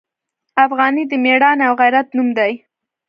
افغان د میړانې او غیرت نوم دی.